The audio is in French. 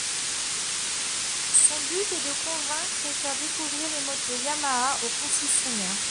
Son but est de convaincre et faire découvrir les motos Yamaha aux concessionnaires.